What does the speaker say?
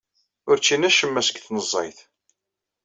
Ur ččin acemma seg tnezzayt.